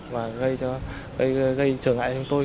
và gây trở ngại cho chúng tôi